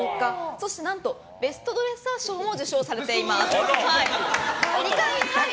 そして何とベストドレッサー賞も受賞されています。